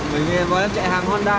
mình với em chạy hàng honda